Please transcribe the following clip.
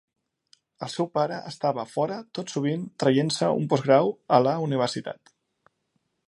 El seu pare estava fora tot sovint traient-se un postgrau a la universitat.